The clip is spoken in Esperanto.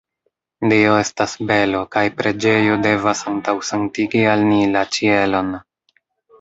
Dio estas belo kaj preĝejo devas antaŭsentigi al ni la ĉielon.